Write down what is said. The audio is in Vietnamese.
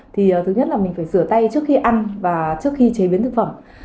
thì thứ nhất là mình phải rửa tay trước khi ăn và trước khi chế biến thực phẩm